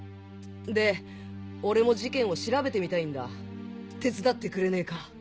で俺も事件を調べてみたいんだ手伝ってくれねえか？